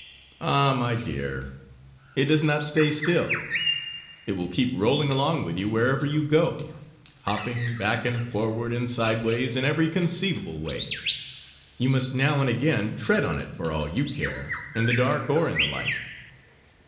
"Ah, my dear, it does not stay still. It will keep rolling along with you wherever you go; hopping back and forward and sideways in every conceivable way. You must now and again tread on it for all your care; in the dark or in the light."